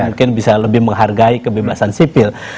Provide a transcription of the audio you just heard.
mungkin bisa lebih menghargai kebebasan sipil